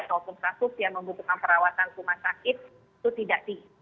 ataupun kasus yang membutuhkan perawatan rumah sakit itu tidak